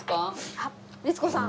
あっ律子さん